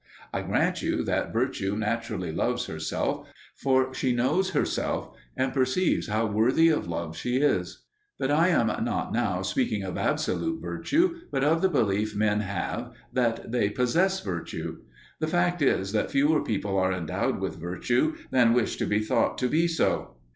I grant you that Virtue naturally loves herself; for she knows herself and perceives how worthy of love she is. But I am not now speaking of absolute virtue, but of the belief men have that they possess virtue. The fact is that fewer people are endowed with virtue than wish to be thought to be so.